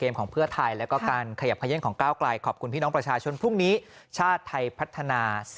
มือของกลุ่มที่ประชาชน